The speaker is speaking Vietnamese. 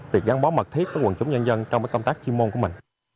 việc gắn bó mật thiết với quần chúng nhân dân trong công tác chuyên môn của mình